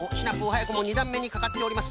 はやくも２だんめにかかっております。